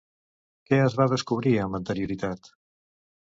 Què es va descobrir amb anterioritat?